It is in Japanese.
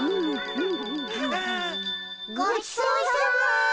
ごちそうさま。